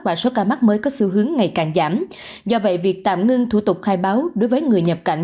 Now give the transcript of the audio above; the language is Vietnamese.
và số ca mắc mới có xu hướng ngày càng giảm do vậy việc tạm ngưng thủ tục khai báo đối với người nhập cảnh